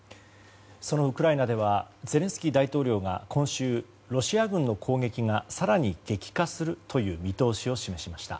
そのウクライナではゼレンスキー大統領が今週ロシア軍の攻撃が更に激化するという見通しを示しました。